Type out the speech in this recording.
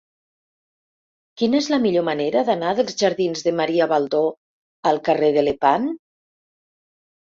Quina és la millor manera d'anar dels jardins de Maria Baldó al carrer de Lepant?